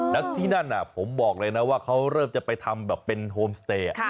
แล้วที่นั่นผมบอกเลยนะว่าเขาเริ่มจะไปทำแบบเป็นโฮมสเตย์